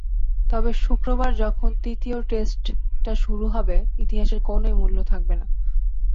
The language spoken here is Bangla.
তবে শুক্রবার যখন তৃতীয় টেস্টটা শুরু হবে ইতিহাসের কোনোই মূল্য থাকবে না।